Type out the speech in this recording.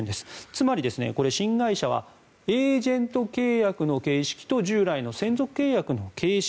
つまり、新会社はエージェント契約の形式と従来の専属契約の形式